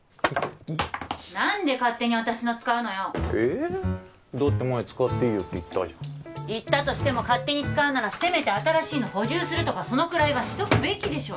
イ何で勝手に私の使うのよえだって前使っていいよって言ったじゃん言ったとしても勝手に使うならせめて新しいの補充するとかそのくらいはしとくべきでしょ